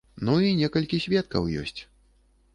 Ну і некалькі сведкаў ёсць.